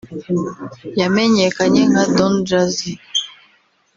yamenyekanye nka Don Jazzy